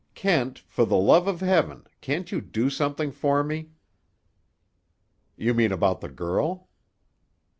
"Kent, for the love of heaven, can't you do something for me?" "You mean about the girl?"